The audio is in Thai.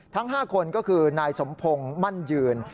ทั้ง๕คนก็คือนายสมพงศ์มั่นยืน